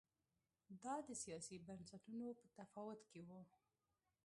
دا د سیاسي بنسټونو په تفاوت کې و